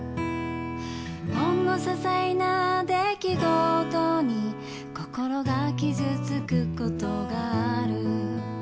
「ほんのささいな出来事に心が傷つくことがある」